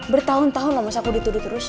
bertahun tahun lah mas aku dituduh terus